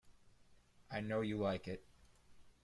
I know you like it.